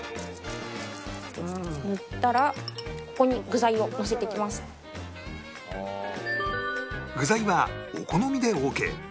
塗ったらここに具材はお好みでオーケー